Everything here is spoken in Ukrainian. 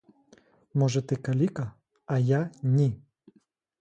Може, ти каліка, а я ні!